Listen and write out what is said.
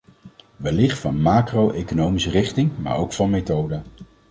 Wellicht van macro-economische richting, maar ook van methode.